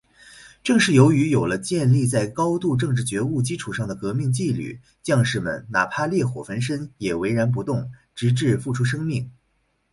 正是由于有了建立在高度政治觉悟基础上的革命纪律，将士们……哪怕烈火焚身，也岿然不动，直至付出生命。